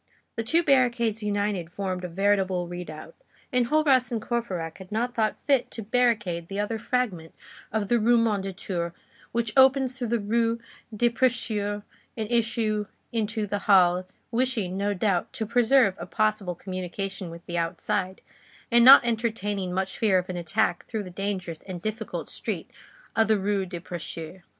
The two barricades united formed a veritable redoubt. Enjolras and Courfeyrac had not thought fit to barricade the other fragment of the Rue Mondétour which opens through the Rue des Prêcheurs an issue into the Halles, wishing, no doubt, to preserve a possible communication with the outside, and not entertaining much fear of an attack through the dangerous and difficult street of the Rue des Prêcheurs.